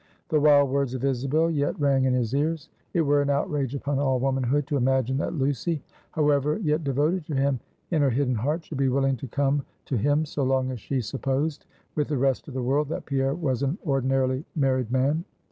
The wild words of Isabel yet rang in his ears. It were an outrage upon all womanhood to imagine that Lucy, however yet devoted to him in her hidden heart, should be willing to come to him, so long as she supposed, with the rest of the world, that Pierre was an ordinarily married man.